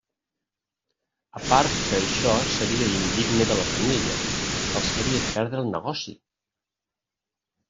A part que això seria indigne de la família, els faria perdre el negoci!